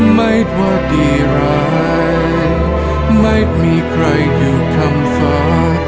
ไม่ว่าดีร้ายไม่มีใครอยู่คำฝา